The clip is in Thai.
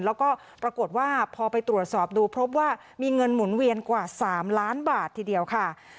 แล้วก็ปรากฏว่าพอไปตรวจสอบดูพบว่ามีเงินหมุนเวียนกว่า๓ล้านบาททีเดียวค่ะ